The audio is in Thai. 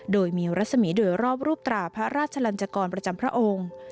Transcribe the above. โดยมีรัศมีร์โดยรอบรูปตราพระราชลันจกรประจำพระองค์